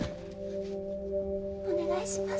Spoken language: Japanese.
お願いします。